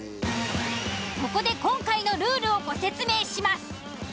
ここで今回のルールをご説明します。